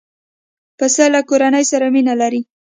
پسه له کورنۍ سره مینه لري.